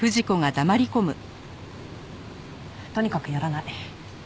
とにかくやらない。